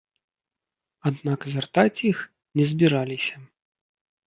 Аднак вяртаць іх не збіраліся.